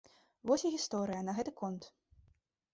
Вось і гісторыя на гэты конт.